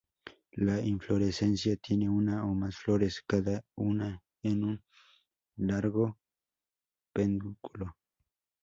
La inflorescencia tiene una o más flores, cada una en un largo pedúnculo.